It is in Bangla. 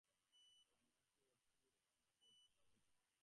কারণ ধ্বংসের অর্থ হইল কারণে প্রত্যাবর্তন।